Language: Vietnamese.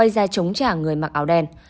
và người mặc áo đen